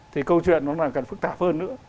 thì câu chuyện nó lại cần phức tạp hơn nữa